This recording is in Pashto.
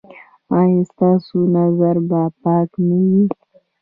ایا ستاسو نظر به پاک نه وي؟